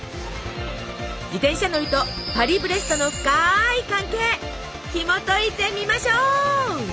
自転車乗りとパリブレストの深い関係ひもといてみましょう。